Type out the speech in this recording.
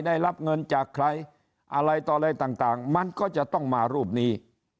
ได้รับเงินจากใครอะไรต่ออะไรต่างมันก็จะต้องมารูปนี้